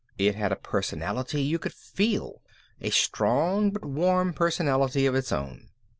It had a personality you could feel, a strong but warm personality of its own.